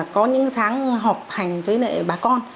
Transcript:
có những tháng họp hành với bà con